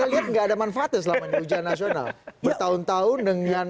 saya lihat nggak ada manfaatnya selama ini ujian nasional bertahun tahun dengan